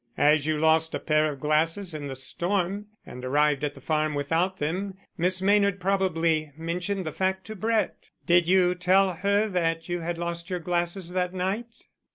As you lost a pair of glasses in the storm and arrived at the farm without them, Miss Maynard probably mentioned the fact to Brett. Did you tell her that you had lost your glasses that night?"